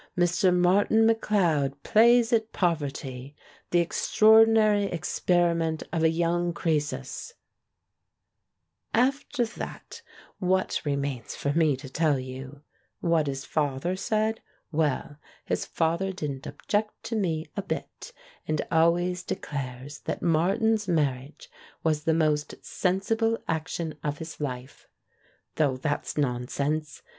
Mr. Martin McLeod Plays at Poverty !! The Extraordinary Experiment of a Young Crcesus !!!" After that, what remains for me to tell you? What his father said? Well, his father didn't object to me a bit, and always declares that Mar tin's marriage was the most sensible action of his life. Though that's nonsense.